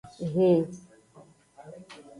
Hun.